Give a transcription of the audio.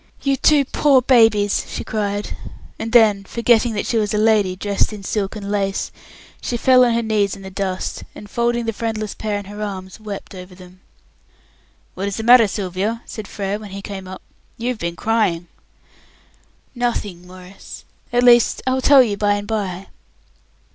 "You two poor babies!" she cried. And then, forgetting that she was a lady, dressed in silk and lace, she fell on her knees in the dust, and, folding the friendless pair in her arms, wept over them. "What is the matter, Sylvia?" said Frere, when he came up. "You've been crying." "Nothing, Maurice; at least, I will tell you by and by."